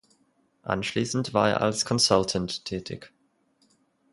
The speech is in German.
Anschließend war er als Consultant tätig.